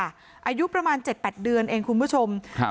อายุประมาณ๗๘เดือนเองคุณผู้ชมครับ